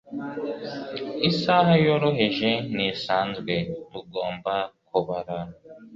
isaha yoroheje ntisanzwe; tugomba kubara